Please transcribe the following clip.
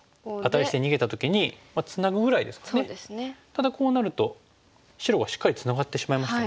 ただこうなると白がしっかりツナがってしまいましたよね。